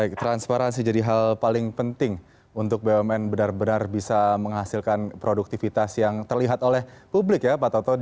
baik transparansi jadi hal paling penting untuk bumn benar benar bisa menghasilkan produktivitas yang terlihat oleh publik ya pak toto